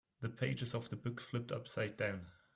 The pages of the book flipped upside down.